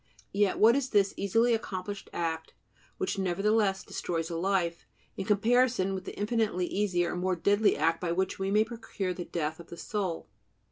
Yet what is this easily accomplished act, which nevertheless destroys a life, in comparison with the infinitely easier and more deadly act by which we may procure the death of the soul?